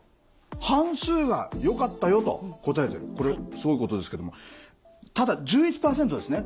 半数がよかったよと答えてるこれすごいことですけどもただ１１％ですね